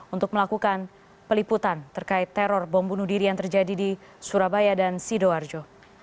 untuk melakukan peliputan terkait teror bom bunuh diri yang terjadi di surabaya dan sidoarjo